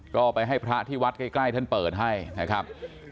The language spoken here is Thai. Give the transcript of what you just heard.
ก็ไปให้พระที่วัดใกล้ท่านเปิดให้นะครับ